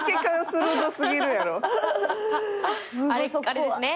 あれですね。